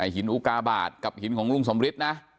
หินอุกาบาทกับหินของลุงสมฤทธิ์นะ